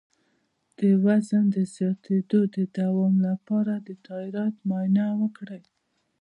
د وزن د زیاتیدو د دوام لپاره د تایرايډ معاینه وکړئ